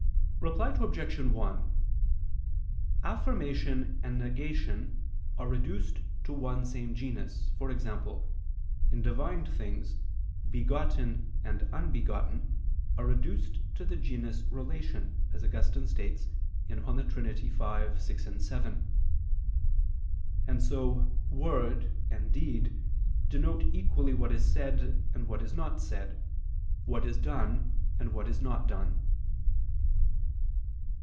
Reply Obj. 1: Affirmation and negation are reduced to one same genus: e.g. in Divine things, begotten and unbegotten are reduced to the genus "relation," as Augustine states (De Trin. v, 6, 7): and so "word" and "deed" denote equally what is said and what is not said, what is done and what is not done.